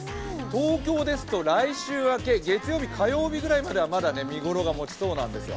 東京ですと来週明け、月曜日、火曜日ぐらいまではまだ見頃がもちそうなんですよ。